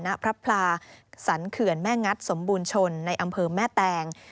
ณพระพลาสรรเขื่อนแม่งัดสมบูรณชนในอำเภอแม่แตง